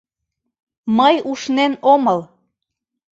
Мый ушнен омыл.